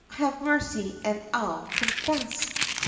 have mercy and I'll confess!